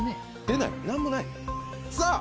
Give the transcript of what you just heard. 出ない何もないさぁ！